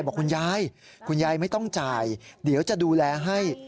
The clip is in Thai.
บอกคุณยายคุณยายไม่ต้องจ่ายเดี๋ยวจะดูแลให้